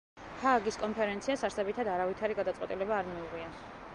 ჰააგის კონფერენციას არსებითად არავითარი გადაწყვეტილება არ მიუღია.